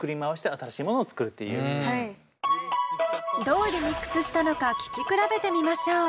どうリミックスしたのか聴き比べてみましょう。